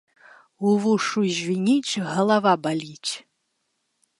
Увушшу звініць, галава баліць.